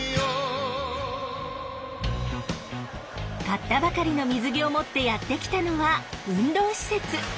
買ったばかりの水着を持ってやって来たのは運動施設。